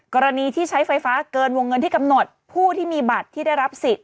กรณีที่ใช้ไฟฟ้าเกินวงเงินที่กำหนดผู้ที่มีบัตรที่ได้รับสิทธิ